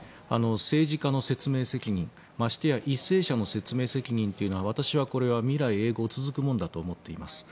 政治家の説明責任ましては為政者の説明責任というのは私はこれは未来永劫続くものだと思っています。